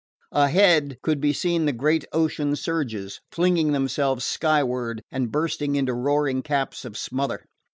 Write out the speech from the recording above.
Ahead could be seen the great ocean surges, flinging themselves skyward and bursting into roaring caps of smother.